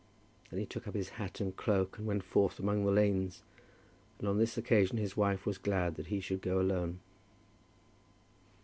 Then he took up his hat and cloak, and went forth among the lanes; and on this occasion his wife was glad that he should go alone.